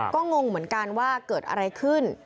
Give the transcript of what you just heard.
ก็งงเหมือนกันว่าเกิดอะไรขึ้น